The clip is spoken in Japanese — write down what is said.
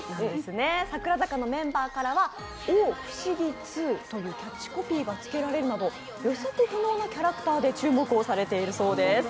櫻坂のメンバーから大不思議２というキャッチコピーをつけられるなど予測不能なキャラクターで注目をされているようです。